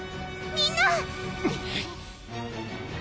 みんな！